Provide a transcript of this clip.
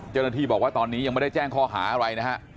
เจ้าหน้าที่บอกว่าตอนนี้ยังไม่ได้แจ้งข้อหาอะไรนะฮะ